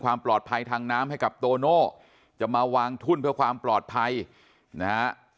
ความปลอดภัยทางน้ำให้กับโตโน่จะมาวางทุ่นเพื่อความปลอดภัยนะฮะ